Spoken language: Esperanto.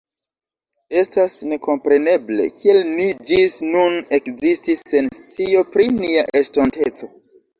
Estas nekompreneble, kiel ni ĝis nun ekzistis sen scio pri nia estonteco.